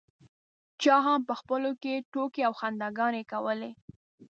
چا هم په خپلو کې ټوکې او خنداګانې کولې.